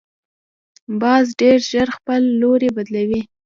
باز ډیر ژر خپل لوری بدلوي